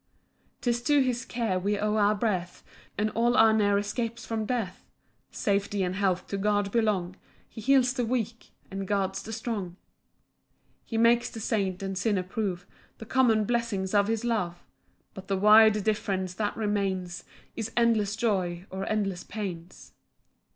3 'Tis to his care we owe our breath, And all our near escapes from death; Safety and health to God belong; He heals the weak, and guards the strong. 4 He makes the saint and sinner prove The common blessings of his love; But the wide difference that remains, Is endless joy, or endless pains.